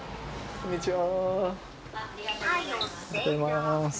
こんにちは。